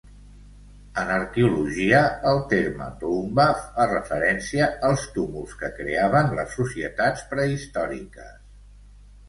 En arqueologia, el terme "toumba" fa referència als túmuls que creaven les societats prehistòriques.